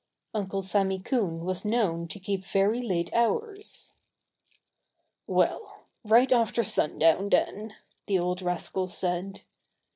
Uncle Sammy Coon was known to keep very late hours. "Well right after sundown, then," the old rascal said.